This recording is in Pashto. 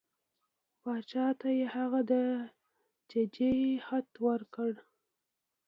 باچا ته یې هغه د ججې خط ورکړ.